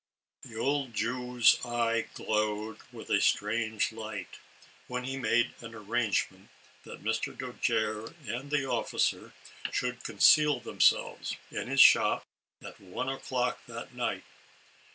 The old Jew's eye glowed, with a strange light, when he made an arrangement that Mr. Dojere and the officer should conceal them selves, in his shop, * at i o'clock, that night.